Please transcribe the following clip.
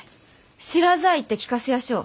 知らざあ言って聞かせやしょう。